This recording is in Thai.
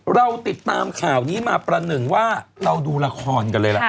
เราติดตามข่าวนี้มาประหนึ่งว่าเราดูละครกันเลยล่ะ